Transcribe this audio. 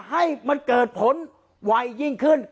การแก้เคล็ดบางอย่างแค่นั้นเอง